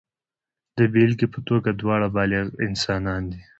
د بېلګې په توګه دواړه بالغ انسانان دي.